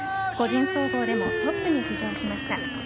個人総合でもトップに浮上しました。